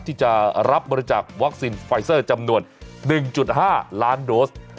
ที่จะรับบริจาควัคซีนไฟเซอร์จำนวน๑๕ล้านโดส